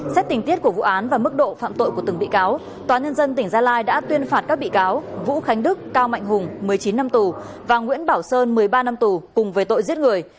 xét tình tiết của vụ án và mức độ phạm tội của từng bị cáo tòa nhân dân tỉnh gia lai đã tuyên phạt các bị cáo vũ khánh đức cao mạnh hùng một mươi chín năm tù và nguyễn bảo sơn một mươi ba năm tù cùng về tội giết người